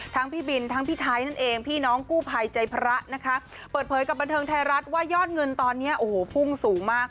พี่บินทั้งพี่ไทยนั่นเองพี่น้องกู้ภัยใจพระนะคะเปิดเผยกับบันเทิงไทยรัฐว่ายอดเงินตอนนี้โอ้โหพุ่งสูงมาก